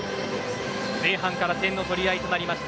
前半から点の取り合いとなりました。